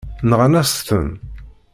Nɣan-as-ten.